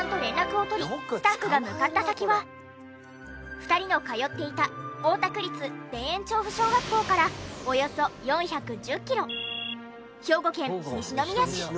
２人の通っていた大田区立田園調布小学校からおよそ４１０キロ兵庫県西宮市。